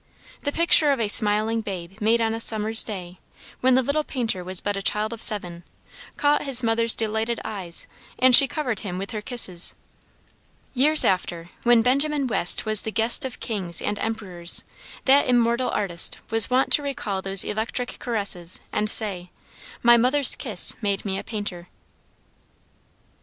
The picture of a smiling babe made on a summer's day, when the little painter was but a child of seven, caught his mother's delighted eyes, and she covered him with her kisses. Years after, when Benjamin West was the guest of kings and emperors, that immortal artist was wont to recall those electric caresses and say "my mother's kiss made me a painter."